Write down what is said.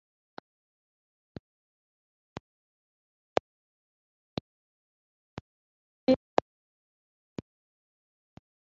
hanyuma yiroha mu gihuru cyegereye mugihe Ifeza nabandi bari bakiri ijana